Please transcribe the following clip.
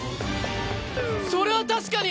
それは確かに！